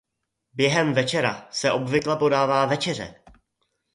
Během večera se obvykle podává večeře.